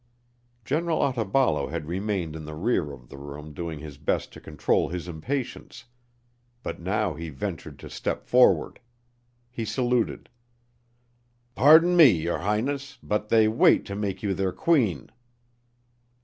General Otaballo had remained in the rear of the room doing his best to control his impatience, but now he ventured to step forward. He saluted. "Pardon me, your Highness, but they wait to make you their Queen."